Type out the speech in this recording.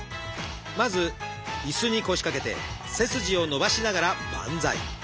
まず椅子に腰掛けて背筋を伸ばしながらバンザイ。